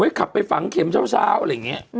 ขับไปฝังเข็มเช้าอะไรอย่างนี้